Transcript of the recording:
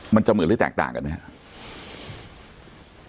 มันจะเหมือนหรือแตกต่างกันไหมครับ